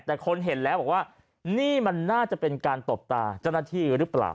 แต่คนเห็นแล้วบอกว่านี่มันน่าจะเป็นการตบตาเจ้าหน้าที่หรือเปล่า